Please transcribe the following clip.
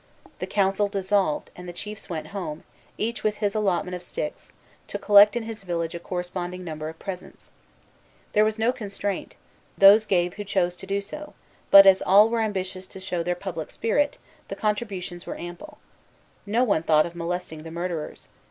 The council dissolved, and the chiefs went home, each with his allotment of sticks, to collect in his village a corresponding number of presents. There was no constraint; those gave who chose to do so; but, as all were ambitious to show their public spirit, the contributions were ample. No one thought of molesting the murderers.